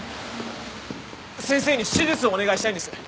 先生に手術をお願いしたいんです。